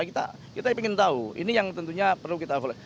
kita ingin tahu ini yang tentunya perlu kita evaluasi